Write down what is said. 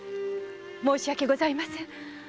申し訳ございません。